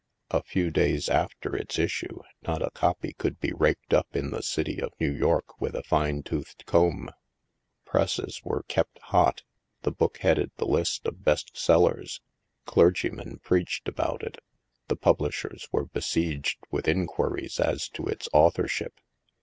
A few days after its issue, not a copy could be raked up in the city of New York with a fine toothed comb. Presses were HAVEN 295 kept hot. The book headed the list of best sellers. Clergymen preached about it; the publishers were besieged with inquiries as to its authorship.